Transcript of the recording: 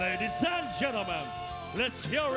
ตอนนี้มวยกู้ที่๓ของรายการ